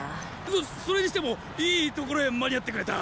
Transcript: そそれにしてもいい所へ間に合ってくれた！